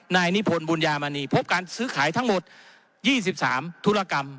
นิพนธบุญญามณีพบการซื้อขายทั้งหมด๒๓ธุรกรรม